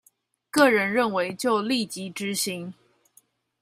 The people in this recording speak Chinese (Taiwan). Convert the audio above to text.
個人認為就立即執行